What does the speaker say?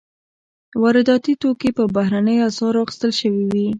وارداتي توکي په بهرنیو اسعارو اخیستل شوي وي.